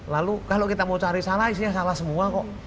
lalu kalau kita mau cari salah isinya salah semua kok